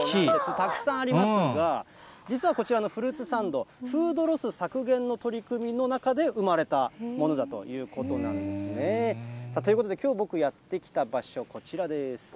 たくさんありますが、実はこちらのフルーツサンド、フードロス削減の取り組みの中で生まれたものだということなんですね。ということで、きょう、僕やって来た場所、こちらです。